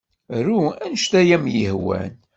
Ru anect ay am-yehwan.